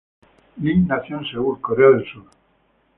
Lee nació en Seúl, Corea del Sur.